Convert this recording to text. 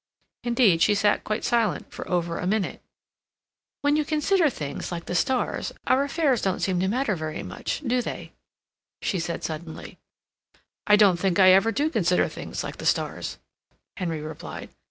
Indeed, she sat quite silent for over a minute. "When you consider things like the stars, our affairs don't seem to matter very much, do they?" she said suddenly. "I don't think I ever do consider things like the stars," Henry replied.